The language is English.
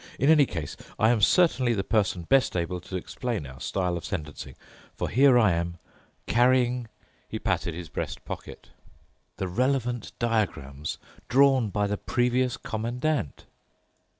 In any case, I am certainly the person best able to explain our style of sentencing, for here I am carrying"—he patted his breast pocket—"the relevant diagrams drawn by the previous Commandant."